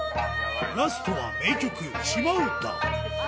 ラストは名曲『島唄』